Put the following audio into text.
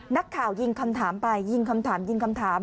นักข่าวยิงคำถามไปยิงคำถามยิงคำถาม